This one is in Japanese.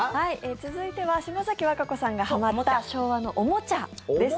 続いては島崎和歌子さんがはまった昭和のおもちゃです。